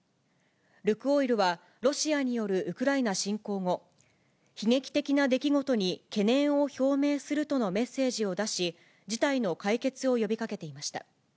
ルクオイルは、ロシアによるウクライナ侵攻後、悲劇的な出来事に懸念を表明するとのメッセージを出し、事態の解決を呼びかけていました。